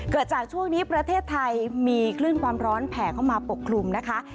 เกิดจากช่วงนี้ประเทศไทยมีคลื่นความร้อนแผ่เข้ามาปกคลุมนะคะ